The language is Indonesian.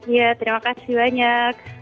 iya terima kasih banyak